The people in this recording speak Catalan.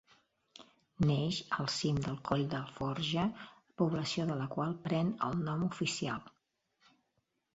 Neix al cim del coll d'Alforja, població de la qual pren el nom oficial.